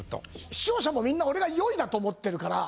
視聴者もみんな俺が４位だと思ってるから。